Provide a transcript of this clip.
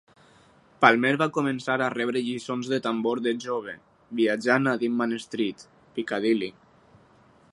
Palmer va començar a rebre lliçons de tambor de jove, viatjant a Denman Street, Piccadilly.